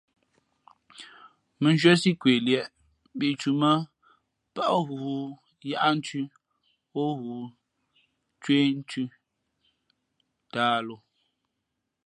Mᾱ nzhwésí kweliēʼ mbīʼtǔmᾱ pάʼ ghoōyaʼthʉ̄ o ghoōcwéénthʉ tāhlǒ.